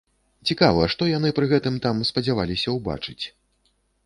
Цікава, што яны пры гэтым там спадзяваліся ўбачыць.